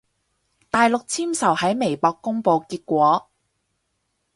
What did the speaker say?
大陸簽售喺微博公佈結果